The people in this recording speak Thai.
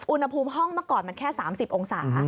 อุณหภูมิห้องเมื่อก่อนมันแค่๓๐องศา